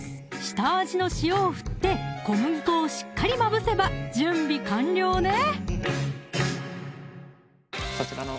下味の塩を振って小麦粉をしっかりまぶせば準備完了ね！